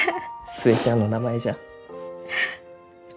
寿恵ちゃんの名前じゃ。